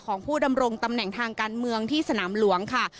ของผู้ดำรงตำแหน่งทางการเมืองที่สนามหลวงค่ะ